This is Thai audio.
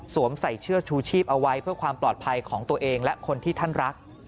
ใส่เสื้อชูชีพเอาไว้เพื่อความปลอดภัยของตัวเองและคนที่ท่านรัก